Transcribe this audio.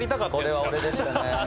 これは俺でしたね。